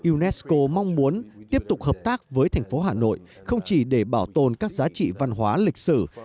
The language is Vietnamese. unesco mong muốn tiếp tục hợp tác với thành phố hà nội không chỉ để bảo tồn các giá trị văn hóa lịch sử